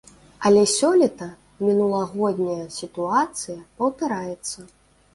Але сёлета мінулагодняя сітуацыя паўтараецца!